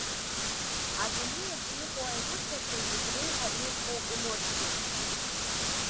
Адунеи аҿы иҟоу аемоциақәа зегь реиҳа иӷәӷәоу емоциоуп.